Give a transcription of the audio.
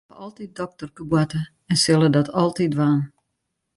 Bern hawwe altyd dokterkeboarte en sille dat altyd dwaan.